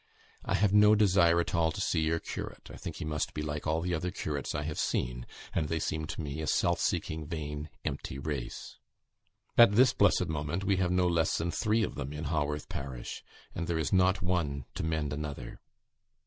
I have no desire at all to see your curate. I think he must be like all the other curates I have seen; and they seem to me a self seeking, vain, empty race. At this blessed moment, we have no less than three of them in Haworth parish and there is not one to mend another.